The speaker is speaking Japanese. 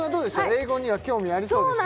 英語には興味ありそうでしたか？